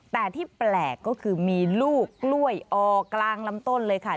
แต่ที่แปลกก็คือมีลูกกล้วยออกกลางลำต้นเลยค่ะ